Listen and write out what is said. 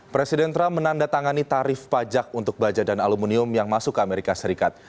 presiden trump menandatangani tarif pajak untuk baja dan aluminium yang masuk ke amerika serikat